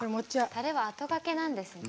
タレは後がけなんですね。